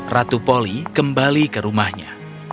ratu poli kembali ke rumahnya